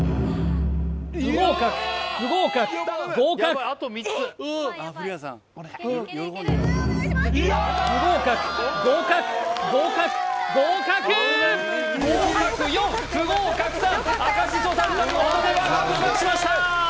不合格不合格合格不合格合格合格合格合格４不合格３赤しそタルタルのホタテバーガー合格しましたー！